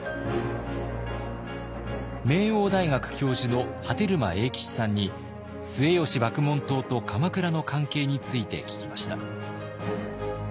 名桜大学教授の波照間永吉さんに末吉麦門冬と鎌倉の関係について聞きました。